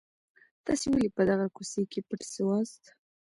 تاسي ولي په دغه کوڅې کي پټ سواست؟